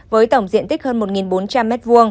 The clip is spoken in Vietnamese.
với tổng diện tích hơn một bốn trăm linh m hai